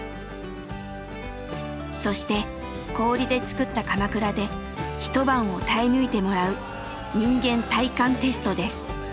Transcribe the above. そして氷で作ったかまくらで一晩を耐え抜いてもらう「人間耐寒テスト」です。